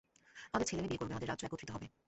আমাদের ছেলেমেয়ে বিয়ে করবে, আমাদের রাজ্য একত্রিত হবে।